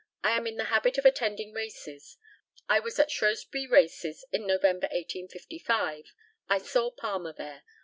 I am in the habit of attending races. I was at Shrewsbury Races in November, 1855. I saw Palmer there.